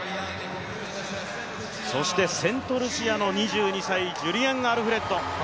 そしてセントルシアの２２歳、ジュリエン・アルフレッド。